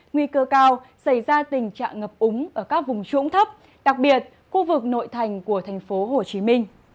nguy cơ cao xảy ra tình trạng ngập úng ở các vùng trũng thấp đặc biệt khu vực nội thành của tp hcm